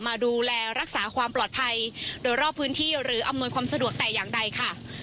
มาดูแลรักษาความปลอดภัยโดยรอบพื้นที่หรืออำนวยความสะดวกแต่อย่างใดค่ะ